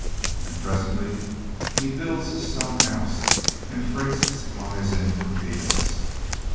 An' presently he builds his stone house an' freights supplies in from Phoenix.